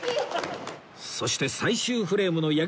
そして最終フレームの八木さん